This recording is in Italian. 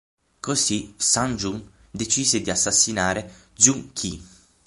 Così Sun Jun decise di assassinare Zhuge Ke.